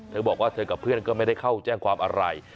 เธอบอกว่าเธอกับเพื่อนก็ไม่ได้เข้าแจ้งความอะไร